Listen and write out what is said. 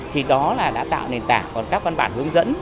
thì đó là đã tạo nền tảng còn các văn bản hướng dẫn